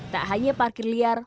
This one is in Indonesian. tak hanya parkir liar